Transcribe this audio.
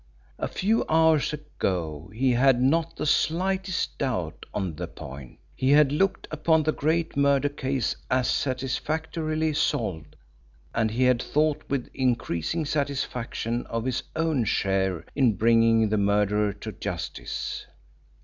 A few hours ago he had not the slightest doubt on the point; he had looked upon the great murder case as satisfactorily solved, and he had thought with increasing satisfaction of his own share in bringing the murderer to justice.